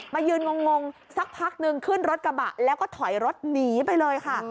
ยืนงงสักพักนึงขึ้นรถกระบะแล้วก็ถอยรถหนีไปเลยค่ะ